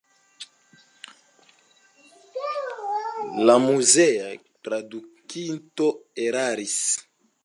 La muzea tradukinto eraris.